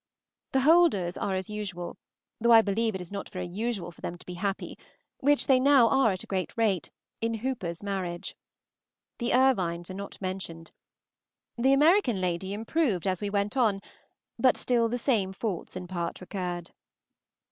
The Holders are as usual, though I believe it is not very usual for them to be happy, which they now are at a great rate, in Hooper's marriage. The Irvines are not mentioned. The American lady improved as we went on; but still the same faults in part recurred.